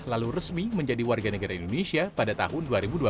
lalu resmi menjadi warga negara indonesia pada tahun dua ribu dua puluh